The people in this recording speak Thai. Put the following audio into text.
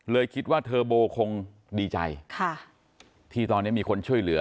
คิดว่าเทอร์โบคงดีใจที่ตอนนี้มีคนช่วยเหลือ